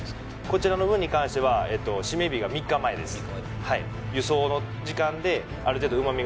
こちらの分に関してはしめ日が３日前です